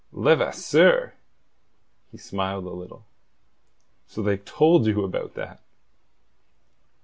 "Levasseur?" He smiled a little. "So they've told you about that!"